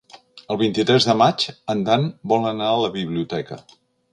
El vint-i-tres de maig en Dan vol anar a la biblioteca.